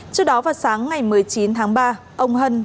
trước đó vào sáng ngày một mươi chín tháng ba ông hân